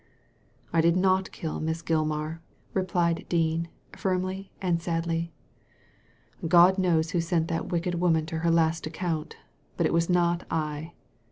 " I did not kill Miss Gilmar," replied Dean, firmly and sadly. ''God knows who sent that wicked woman to her last account, but it was not I."